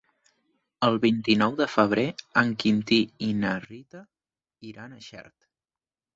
El vint-i-nou de febrer en Quintí i na Rita iran a Xert.